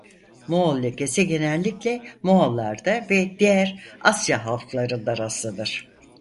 Moğol lekesi genellikle Moğollarda ve diğer Asya halklarında rastlanır.